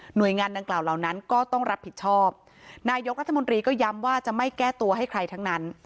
โดยงานดังกล่าวเหล่านั้นก็ต้องรับผิดชอบนายกรัฐมนตรีก็ย้ำว่าจะไม่แก้ตัวให้ใครทั้งนั้น